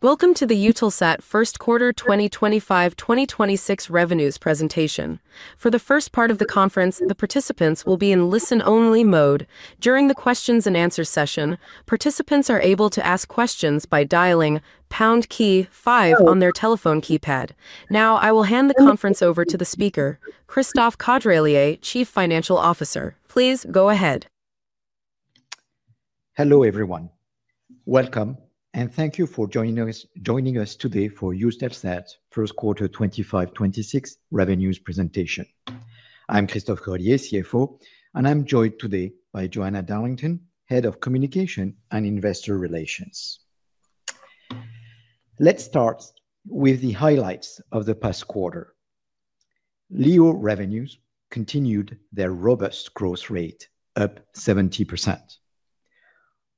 Welcome to the Eutelsat first quarter 2025-2026 revenues presentation. For the first part of the conference, the participants will be in listen-only mode. During the questions and answers session, participants are able to ask questions by dialing pound key five on their telephone keypad. Now, I will hand the conference over to the speaker, Christophe Caudrelier, Chief Financial Officer. Please go ahead. Hello everyone. Welcome, and thank you for joining us today for Eutelsat's first quarter 2025-2026 revenues presentation. I'm Christophe Caudrelier, CFO, and I'm joined today by Joanna Darlington, Head of Communication and Investor Relations. Let's start with the highlights of the past quarter. LEO revenues continued their robust growth rate, up 70%.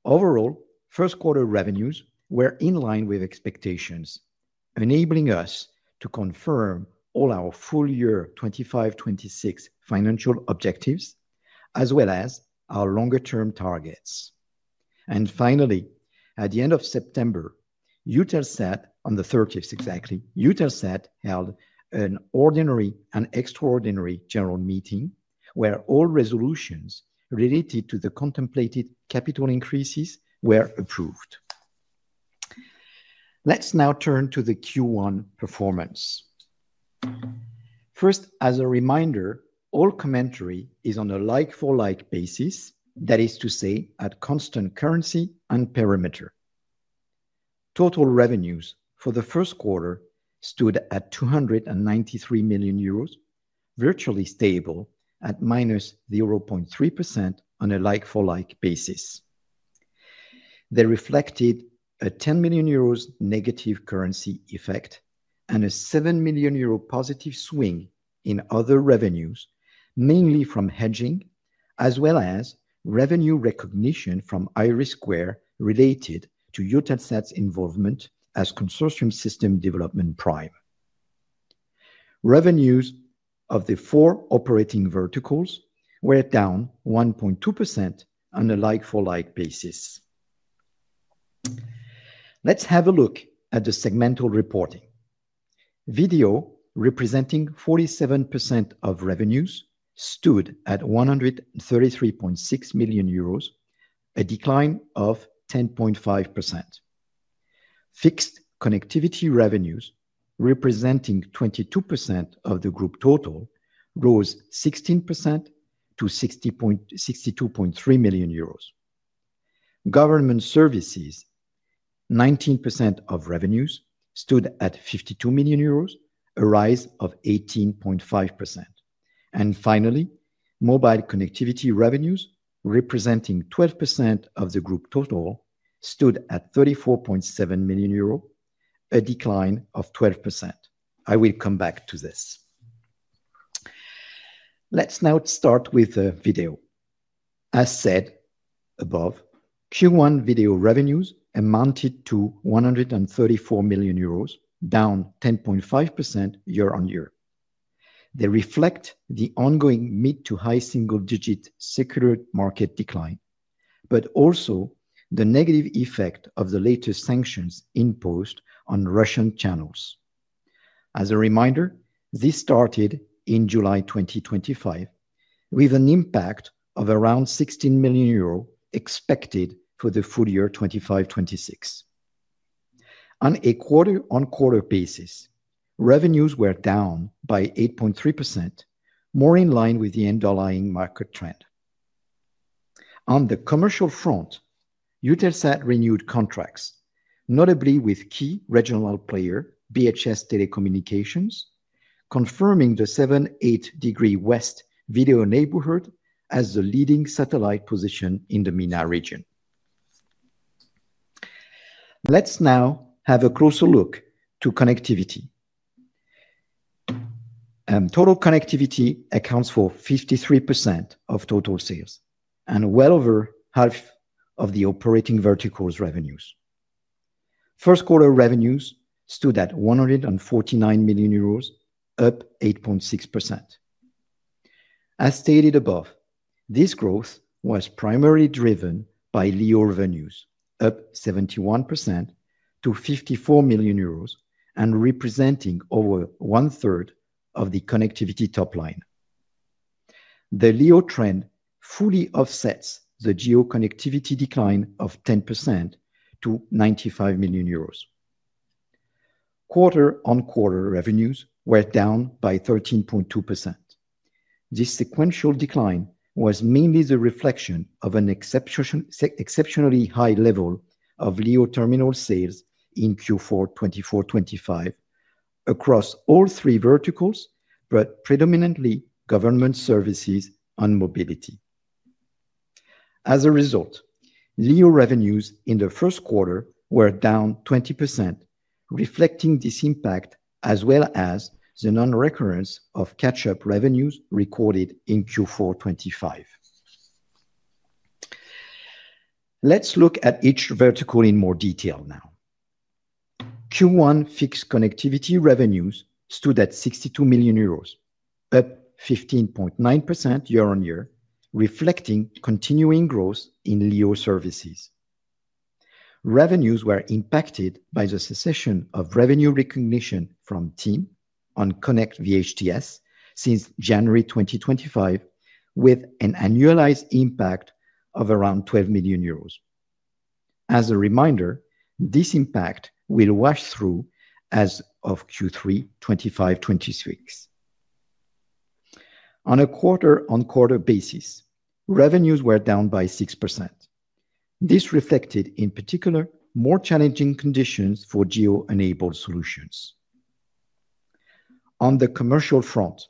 Overall, first quarter revenues were in line with expectations, enabling us to confirm all our full-year 2025-2026 financial objectives, as well as our longer-term targets. Finally, at the end of September, Eutelsat held an ordinary and extraordinary general meeting where all resolutions related to the contemplated capital increases were approved. Let's now turn to the Q1 performance. First, as a reminder, all commentary is on a like-for-like basis, that is to say, at constant currency and parameter. Total revenues for the first quarter stood at 293 million euros, virtually stable at -0.3% on a like-for-like basis. They reflected a 10 million euros negative currency effect and a 7 million euro positive swing in other revenues, mainly from hedging, as well as revenue recognition from IRIS2 related to Eutelsat's involvement as Consortium System Development Prime. Revenues of the four operating verticals were down 1.2% on a like-for-like basis. Let's have a look at the segmental reporting. Video, representing 47% of revenues, stood at 133.6 million euros, a decline of 10.5%. Fixed connectivity revenues, representing 22% of the group total, rose 16% to 62.3 million euros. Government services, 19% of revenues, stood at 52 million euros, a rise of 18.5%. Finally, mobile connectivity revenues, representing 12% of the group total, stood at 34.7 million euro, a decline of 12%. I will come back to this. Let's now start with the video. As said above, Q1 video revenues amounted to 134 million euros, down 10.5% year-on-year. They reflect the ongoing mid-to-high single-digit secular market decline, but also the negative effect of the latest sanctions imposed on Russian channels. As a reminder, this started in July 2025, with an impact of around 16 million euro expected for the full year 2025-2026. On a quarter-on-quarter basis, revenues were down by 8.3%, more in line with the underlying market trend. On the commercial front, Eutelsat renewed contracts, notably with key regional player BHS Telecommunications, confirming the 78 degrees West video neighborhood as the leading satellite position in the MENA region. Let's now have a closer look to connectivity. Total connectivity accounts for 53% of total sales and well over half of the operating vertical's revenues. First quarter revenues stood at 149 million euros, up 8.6%. As stated above, this growth was primarily driven by LEO revenues, up 71% to 54 million euros, and representing over 1/3 of the connectivity top line. The LEO trend fully offsets the GEO connectivity decline of 10% to 95 million euros. Quarter-on-quarter revenues were down by 13.2%. This sequential decline was mainly the reflection of an exceptionally high level of LEO terminal sales in Q4 2024-2025 across all three verticals, but predominantly government services and mobility. As a result, LEO revenues in the first quarter were down 20%, reflecting this impact as well as the non-recurrence of catch-up revenues recorded in Q4 2025. Let's look at each vertical in more detail now. Q1 fixed connectivity revenues stood at 62 million euros, up 15.9% year-on-year, reflecting continuing growth in LEO services. Revenues were impacted by the cessation of revenue recognition from TIM on KONNECT VHTS since January 2025, with an annualized impact of around 12 million euros. As a reminder, this impact will wash through as of Q3 2025-2026. On a quarter-on-quarter basis, revenues were down by 6%. This reflected, in particular, more challenging conditions for GEO-enabled solutions. On the commercial front,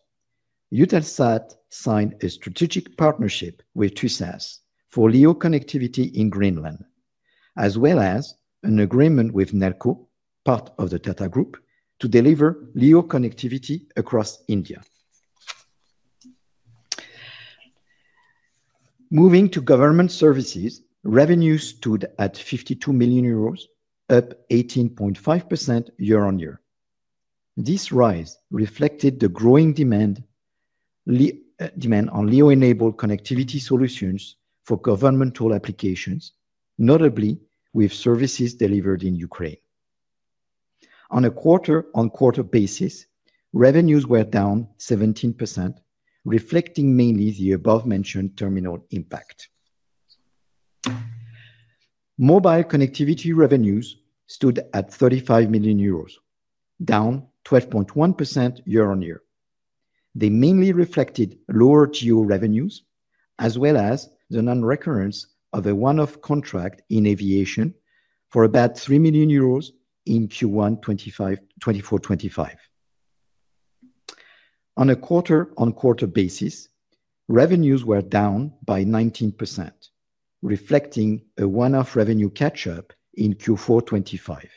Eutelsat signed a strategic partnership with Tusass for LEO connectivity in Greenland, as well as an agreement with Nelco, part of the Tata Group, to deliver LEO connectivity across India. Moving to government services, revenues stood at 52 million euros, up 18.5% year-on-year. This rise reflected the growing demand on LEO-enabled connectivity solutions for governmental applications, notably with services delivered in Ukraine. On a quarter-on-quarter basis, revenues were down 17%, reflecting mainly the above-mentioned terminal impact. Mobile connectivity revenues stood at 35 million euros, down 12.1% year-on-year. They mainly reflected lower GEO revenues, as well as the non-recurrence of a one-off contract in aviation for about 3 million euros in Q1 2024-2025. On a quarter-on-quarter basis, revenues were down by 19%, reflecting a one-off revenue catch-up in Q4 2025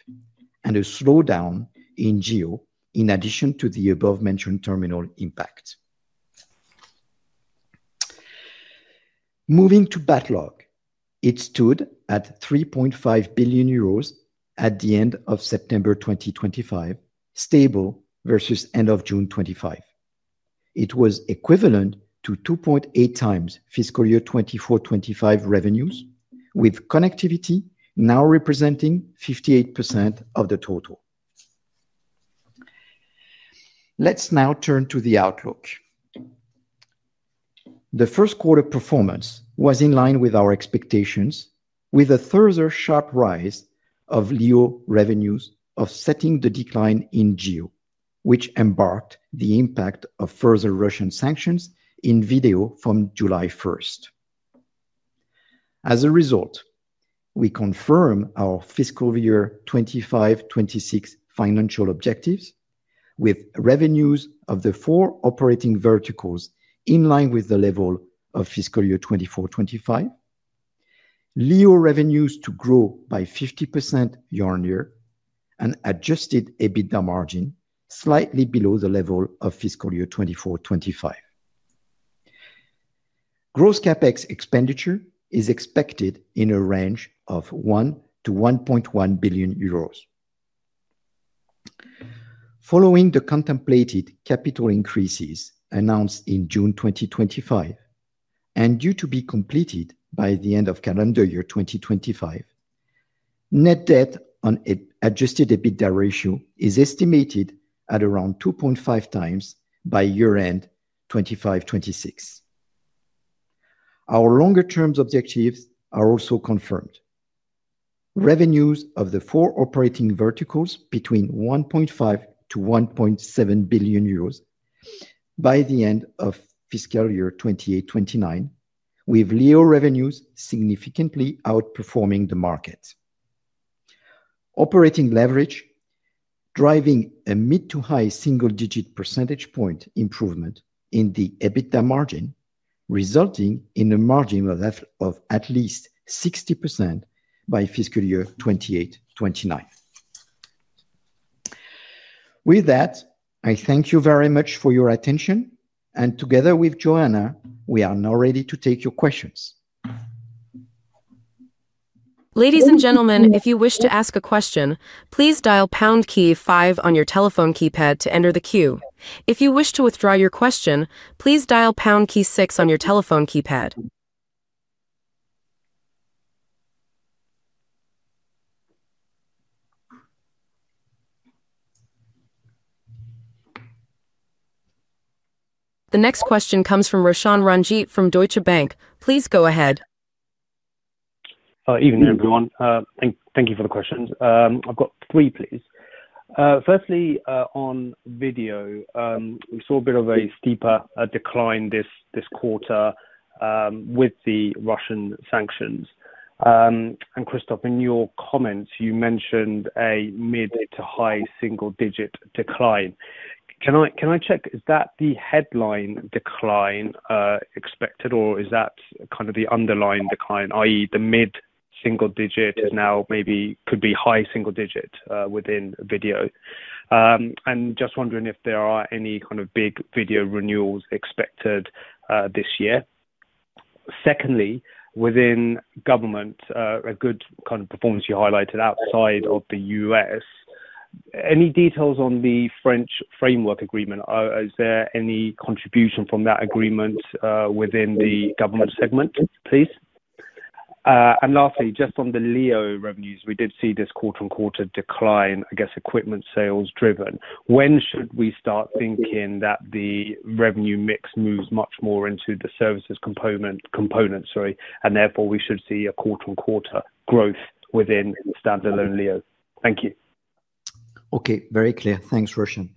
and a slowdown in GEO, in addition to the above-mentioned terminal impact. Moving to backlog, it stood at 3.5 billion euros at the end of September 2025, stable versus end of June 2025. It was equivalent to 2.8x fiscal year 2024-2025 revenues, with connectivity now representing 58% of the total. Let's now turn to the outlook. The first quarter performance was in line with our expectations, with a further sharp rise of LEO revenues offsetting the decline in GEO, which embarked the impact of further Russian sanctions in video from July 1. As a result, we confirm our fiscal year 2025-2026 financial objectives with revenues of the four operating verticals in line with the level of fiscal year 2024-2025, LEO revenues to grow by 50% year-on-year, and adjusted EBITDA margin slightly below the level of fiscal year 2024-2025. Gross CapEx expenditure is expected in a range of 1 billion-1.1 billion euros. Following the contemplated capital increases announced in June 2025 and due to be completed by the end of calendar year 2025, net debt to adjusted EBITDA ratio is estimated at around 2.5x by year-end 2025-2026. Our longer-term objectives are also confirmed. Revenues of the four operating verticals between 1.5 billion-1.7 billion euros by the end of fiscal year 2028-2029, with LEO revenues significantly outperforming the markets. Operating leverage driving a mid-to-high single-digit percentage point improvement in the EBITDA margin, resulting in a margin level of at least 60% by fiscal year 2028-2029. With that, I thank you very much for your attention, and together with Joanna, we are now ready to take your questions. Ladies and gentlemen, if you wish to ask a question, please dial pound key five on your telephone keypad to enter the queue. If you wish to withdraw your question, please dial pound key six on your telephone keypad. The next question comes from Roshan Ranjit from Deutsche Bank. Please go ahead. Evening, everyone. Thank you for the questions. I've got three, please. Firstly, on video, we saw a bit of a steeper decline this quarter with the Russian sanctions. Christophe, in your comments, you mentioned a mid-to-high single-digit decline. Can I check, is that the headline decline expected or is that kind of the underlying decline, i.e., the mid-single-digit is now maybe could be high single-digit within video? I am just wondering if there are any kind of big video renewals expected this year. Secondly, within government, a good kind of performance you highlighted outside of the U.S. Any details on the French framework agreement? Is there any contribution from that agreement within the government segment, please? Lastly, just on the LEO revenues, we did see this quarter-on-quarter decline, I guess equipment sales-driven. When should we start thinking that the revenue mix moves much more into the services component, and therefore we should see a quarter-on-quarter growth within standalone LEO? Thank you. Okay, very clear. Thanks, Roshan.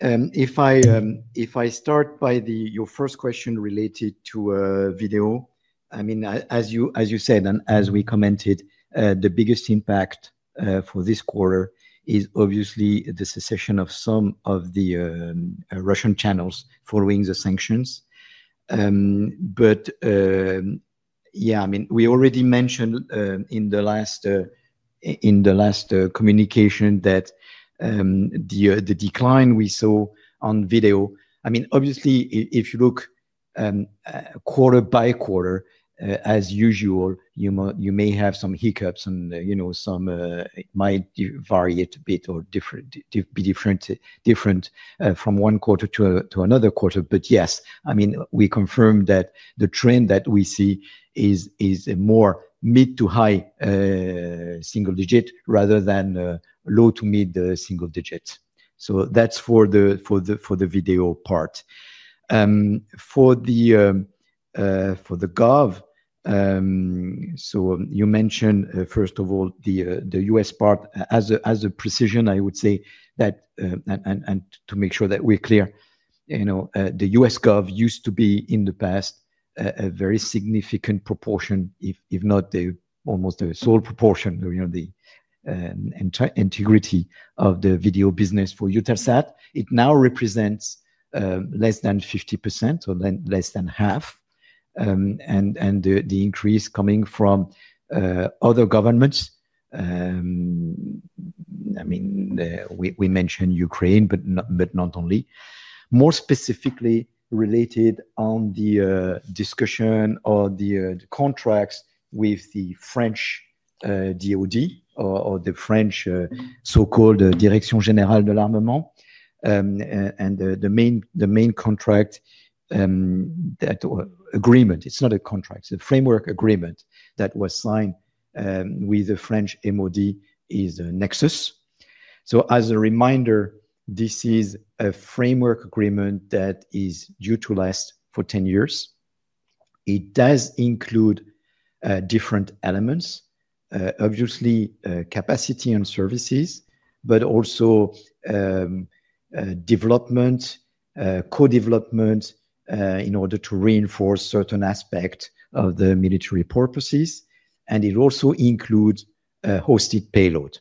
If I start by your first question related to video, as you said and as we commented, the biggest impact for this quarter is obviously the cessation of some of the Russian channels following the sanctions. We already mentioned in the last communication that the decline we saw on video, obviously, if you look quarter by quarter, as usual, you may have some hiccups and some might variate a bit or be different from one quarter to another quarter. We confirm that the trend that we see is a more mid-to-high single digit rather than low to mid-single digits. That's for the video part. For the gov, you mentioned, first of all, the U.S. part. As a precision, I would say that, and to make sure that we're clear, the U.S. gov used to be in the past a very significant proportion, if not almost a sole proportion, the integrity of the video business for Eutelsat. It now represents less than 50% or less than half. The increase coming from other governments, we mentioned Ukraine, but not only. More specifically, related on the discussion or the contracts with the French DoD or the French so-called Direction générale de l'armement. The main contract, that agreement, it's not a contract, it's a framework agreement that was signed with the French MOD is NEXUS. As a reminder, this is a framework agreement that is utilized for 10 years. It does include different elements, obviously, capacity and services, but also development, co-development in order to reinforce certain aspects of the military purposes. It also includes hosted payload.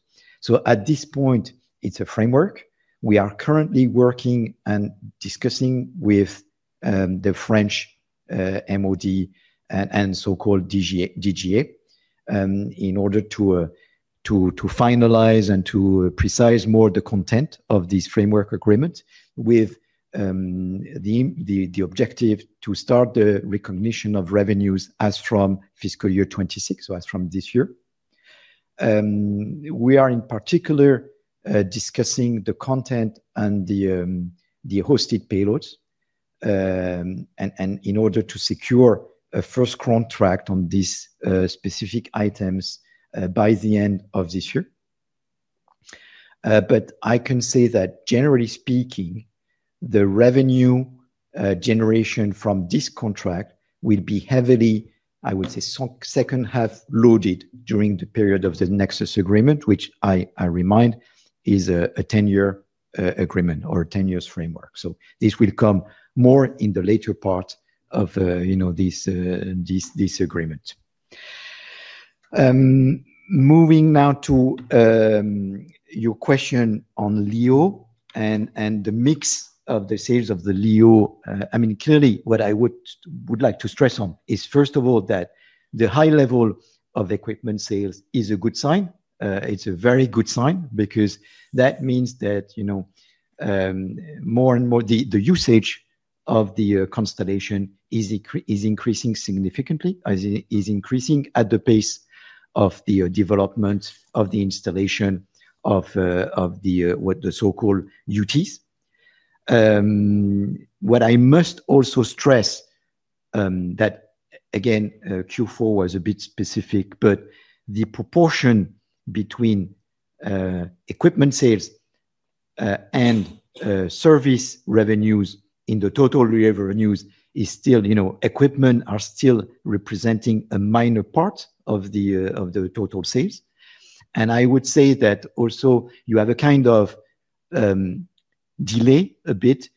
At this point, it's a framework. We are currently working and discussing with the French MOD and so-called DGA in order to finalize and to precise more the content of this framework agreement with the objective to start the recognition of revenues as from fiscal year 2026, as from this year. We are in particular discussing the content and the hosted payloads in order to secure a first contract on these specific items by the end of this year. I can say that generally speaking, the revenue generation from this contract will be heavily, I would say, second half loaded during the period of the NEXUS agreement, which I remind is a 10-year agreement or a 10-year framework. This will come more in the later part of this agreement. Moving now to your question on LEO and the mix of the sales of the LEO, what I would like to stress on is, first of all, that the high level of equipment sales is a good sign. It's a very good sign because that means that more and more the usage of the constellation is increasing significantly, is increasing at the pace of the development of the installation of the so-called UTs. What I must also stress, again, Q4 was a bit specific, but the proportion between equipment sales and service revenues in the total revenues is still, equipment are still representing a minor part of the total sales. I would say that also you have a kind of delay a bit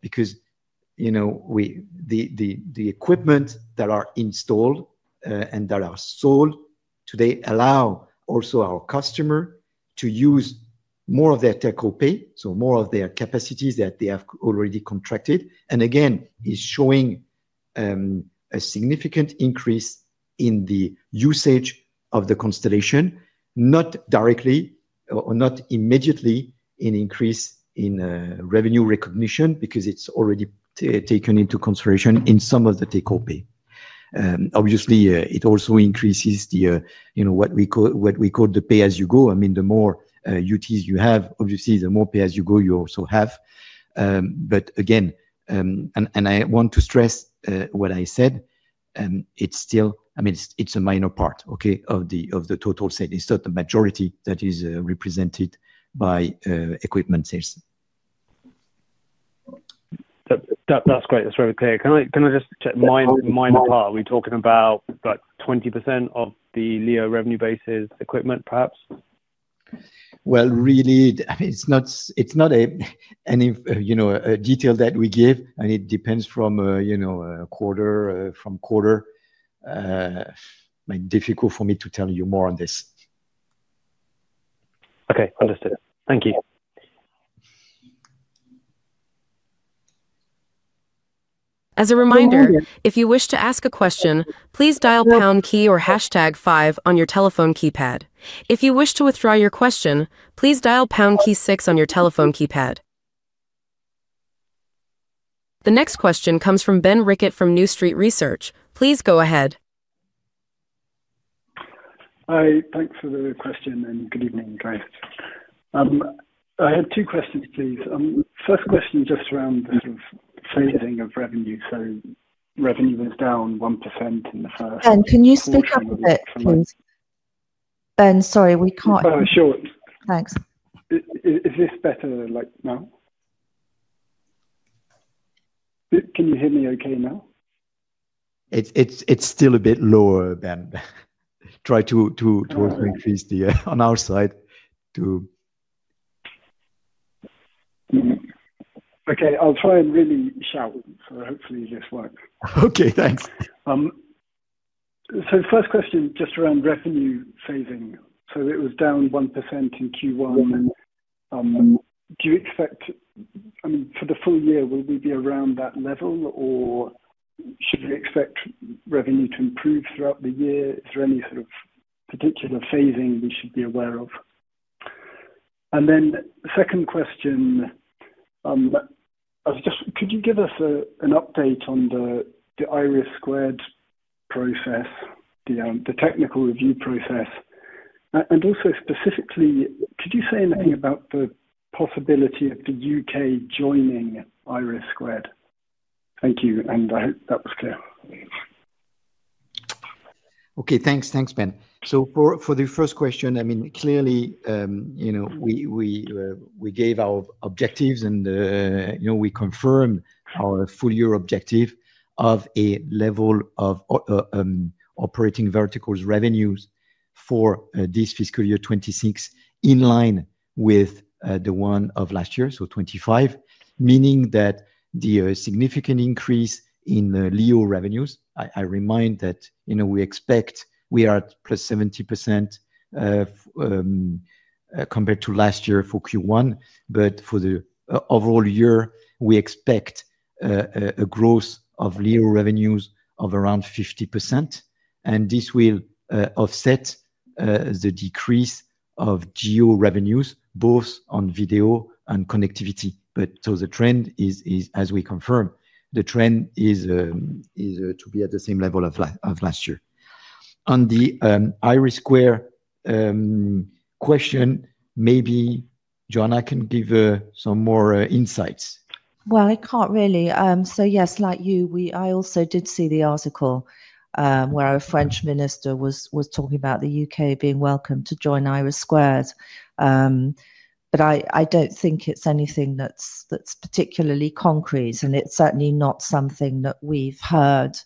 because the equipment that are installed and that are sold today allow also our customer to use more of their tech co-pay, so more of their capacities that they have already contracted. Again, it's showing a significant increase in the usage of the constellation, not directly or not immediately an increase in revenue recognition because it's already taken into consideration in some of the tech co-pay. Obviously, it also increases what we call the pay as you go. The more UTs you have, obviously, the more pay as you go you also have. Again, I want to stress what I said, it's still a minor part of the total sale. It's not the majority that is represented by equipment sales. That's great. That's very clear. Can I just check, are we talking about 20% of the LEO revenue basis equipment, perhaps? It's not a detail that we give. It depends, you know, from quarter to quarter. It's difficult for me to tell you more on this. Okay, understood. Thank you. As a reminder, if you wish to ask a question, please dial pound key or hashtag five on your telephone keypad. If you wish to withdraw your question, please dial pound key six on your telephone keypad. The next question comes from Ben Rickett from New Street Research. Please go ahead. Hi, thanks for the question and good evening. I had two questions, please. First question is just around the sort of phasing of revenue. Revenue was down 1% in the first quarter. Ben, can you speak up a bit, please? Ben, sorry, we can't hear you. Oh, sure. Thanks. Is this better now? Can you hear me okay now? It's still a bit lower, Ben. Try to also increase it on our side too. Okay, I'll try and really shout. Hopefully this works. Okay, thanks. First question, just around revenue phasing. It was down 1% in Q1. Do you expect, for the full year, will we be around that level or should you expect revenue to improve throughout the year? Is there any sort of particular phasing we should be aware of? Second question, could you give us an update on the IRIS2 process, the technical review process? Also, specifically, could you say anything about the possibility of the U.K. joining the IRIS2? Thank you. I hope that was clear. Okay, thanks. Thanks, Ben. For the first question, clearly, we gave our objectives and we confirm our full-year objective of a level of operating verticals revenues for this fiscal year 2026 in line with the one of last year, so 2025, meaning that the significant increase in LEO revenues, I remind that we expect we are at +70% compared to last year for Q1. For the overall year, we expect a growth of LEO revenues of around 50%. This will offset the decrease of GEO revenues, both on video and connectivity. The trend is, as we confirm, the trend is to be at the same level of last year. On the IRIS2 question, maybe Joanna can give some more insights. Yes, like you, I also did see the article where a French Minister was talking about the U.K. being welcome to join IRIS2. I don't think it's anything that's particularly concrete, and it's certainly not something that we've heard,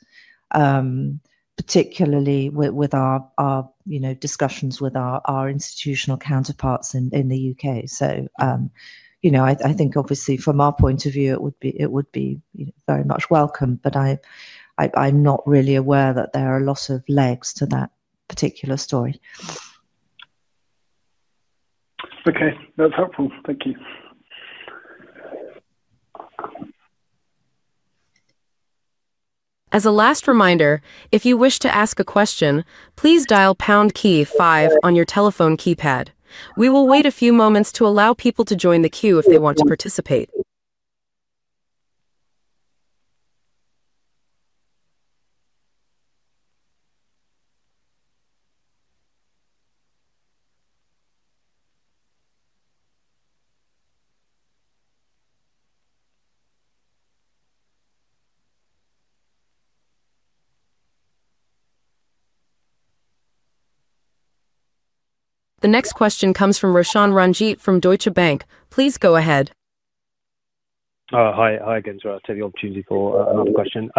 particularly with our discussions with our institutional counterparts in the U.K. Obviously, from our point of view, it would be very much welcome, but I'm not really aware that there are a lot of legs to that particular story. Okay, that's helpful. Thank you. As a last reminder, if you wish to ask a question, please dial pound key five on your telephone keypad. We will wait a few moments to allow people to join the queue if they want to participate. The next question comes from Roshan Ranjit from Deutsche Bank. Please go ahead. Hi, again. Sorry, I took the opportunity for another question.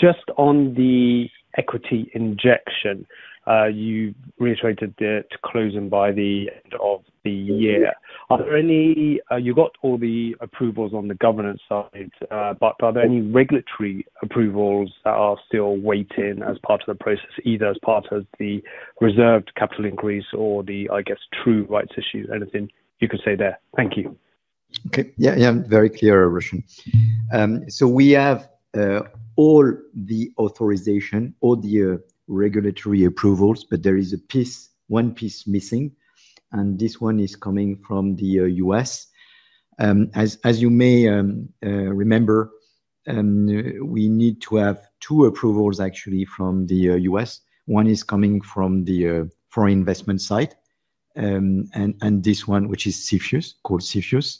Just on the equity injection, you reiterated to close in by the end of the year. Are there any, you got all the approvals on the governance side, but are there any regulatory approvals that are still waiting as part of the process, either as part of the reserved capital increase or the, I guess, true rights issues? Anything you could say there? Thank you. Okay. Yeah, yeah, very clear, Roshan. We have all the authorization, all the regulatory approvals, but there is a piece, one piece missing. This one is coming from the U.S. As you may remember, we need to have two approvals, actually, from the U.S. One is coming from the foreign investment side, and this one, which is called CFIUS,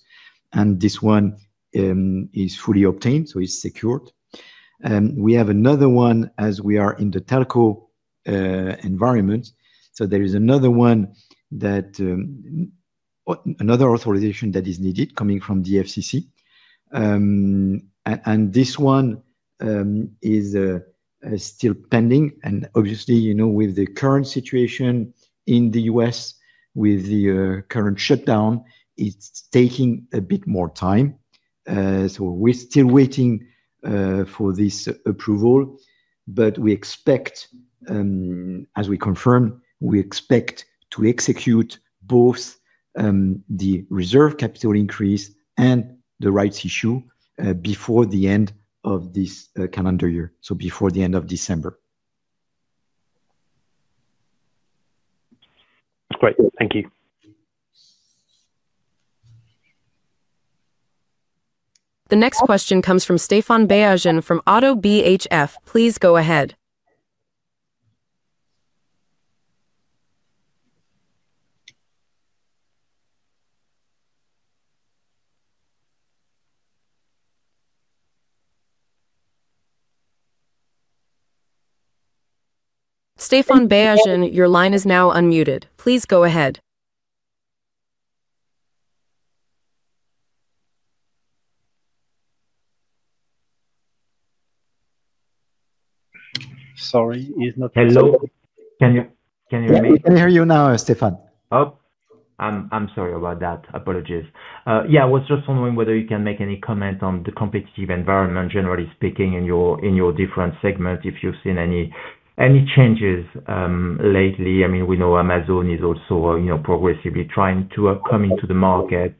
is fully obtained, so it's secured. We have another one as we are in the telco environment. There is another authorization that is needed coming from the FCC, and this one is still pending. Obviously, you know, with the current situation in the U.S., with the current shutdown, it's taking a bit more time. We're still waiting for this approval. We expect, as we confirmed, to execute both the reserve capital increase and the rights issue before the end of this calendar year, so before the end of December. Great. Thank you. The next question comes from Stephane Beyazian from ODDO BHF. Please go ahead. Stephane Beyazian, your line is now unmuted. Please go ahead. Hello, can you hear me? I can you hear you now, Stephane. I'm sorry about that. Apologies. I was just wondering whether you can make any comment on the competitive environment, generally speaking, in your different segments, if you've seen any changes lately. I mean, we know Amazon is also, you know, progressively trying to come into the market.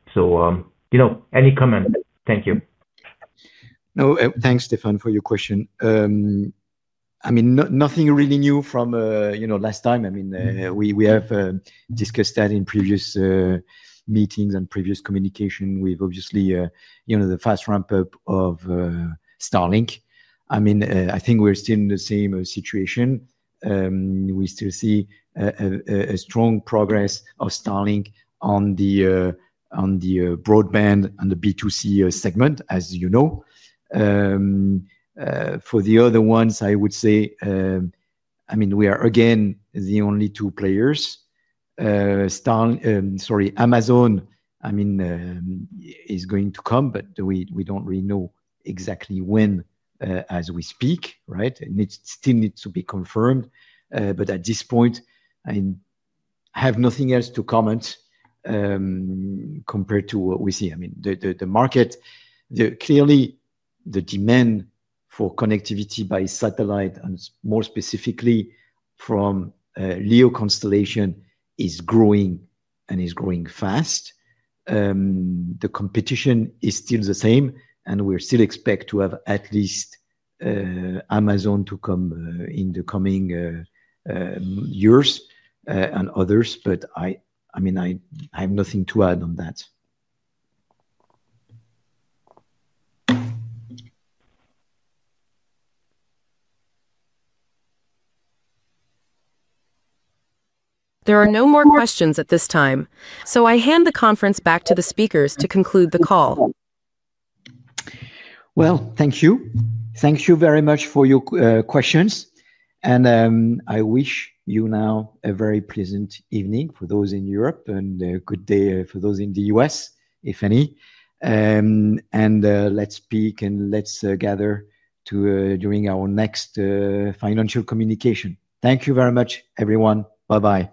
Any comment? Thank you. No, thanks, Stephane, for your question. Nothing really new from last time. We have discussed that in previous meetings and previous communication with, obviously, the fast ramp-up of Starlink. I think we're still in the same situation. We still see strong progress of Starlink on the broadband and the B2C segment, as you know. For the other ones, I would say we are again the only two players. Sorry, Amazon is going to come, but we don't really know exactly when as we speak, right? It still needs to be confirmed. At this point, I have nothing else to comment compared to what we see. The market, clearly, the demand for connectivity by satellite and more specifically from LEO constellation is growing and is growing fast. The competition is still the same, and we still expect to have at least Amazon to come in the coming years and others. I have nothing to add on that. There are no more questions at this time. I hand the conference back to the speakers to conclude the call. Thank you very much for your questions. I wish you now a very pleasant evening for those in Europe and a good day for those in the U.S., if any. Let's speak and let's gather during our next financial communication. Thank you very much, everyone. Bye-bye.